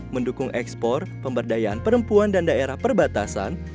mendukung ekspor pemberdayaan perempuan dan daerah perbatasan